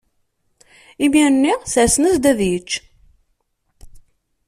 Imir-nni sersen-as-d ad yečč.